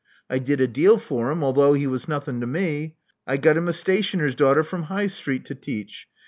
I did a deal for him, although he was nothing to me. I got him a station er's daughter from High Street to teach.